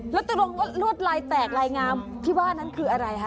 แล้วตรงลวดลายแตกลายงามที่ว่านั้นคืออะไรคะ